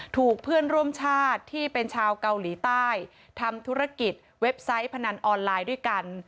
ถูกเพื่อนร่วมชาติที่เป็นชาวเกาหลีใต้ทำธุรกิจเว็บไซต์พนันออนไลน์ด้วยกัน